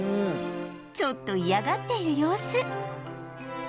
ちょっと嫌がっている様子